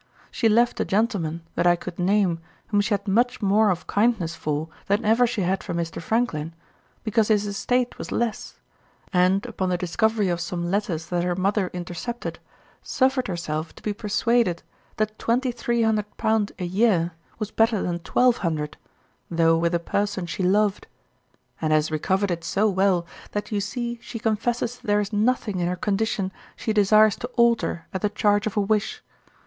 She left a gentleman, that I could name, whom she had much more of kindness for than ever she had for Mr. Franklin, because his estate was less; and upon the discovery of some letters that her mother intercepted, suffered herself to be persuaded that twenty three hundred pound a year was better than twelve hundred, though with a person she loved; and has recovered it so well, that you see she confesses there is nothing in her condition she desires to alter at the charge of a wish.